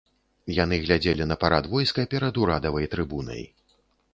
Яны глядзелі на парад войска перад урадавай трыбунай.